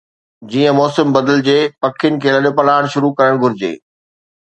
جيئن موسم بدلجي، پکين کي لڏپلاڻ شروع ڪرڻ گهرجي